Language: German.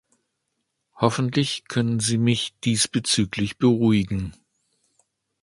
Hoffentlich können Sie mich diesbezüglich beruhigen.